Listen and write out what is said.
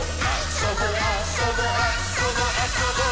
「そぼあそぼあそぼあそぼっ！」